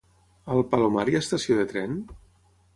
A el Palomar hi ha estació de tren?